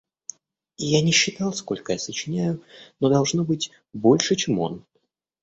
Я не считал, сколько я сочиняю, но должно быть, больше, чем он.